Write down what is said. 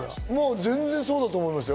全然そうだと思いますよ。